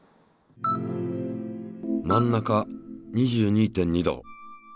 真ん中２２．２℃。